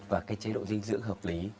và cái chế độ dinh dưỡng hợp lý